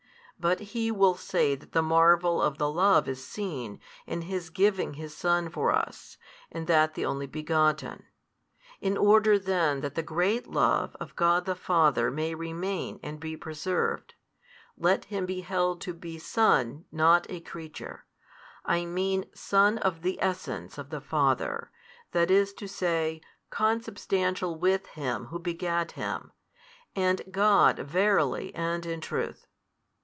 But he will say that the marvel of the love is seen, in His giving His Son for us, and that the Only Begotten. In order then that the great love of God the Father may remain and be preserved, let Him be held to be Son not a creature, I mean Son of the Essence of the Father, that is to say, Consubstantial with Him Who begat Him, and God verily and in truth.